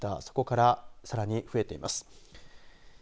そこから、さらに増えています。